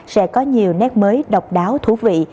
sẽ có nhiều nét mới độc đáo thú vị